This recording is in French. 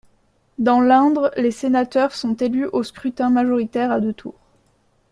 Dans l'Indre, les sénateurs sont élus au scrutin majoritaire à deux tours.